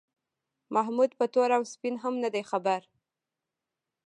محمود په تور او سپین هم نه دی خبر.